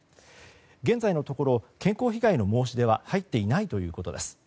現在のところ健康被害の申し出は入っていないということです。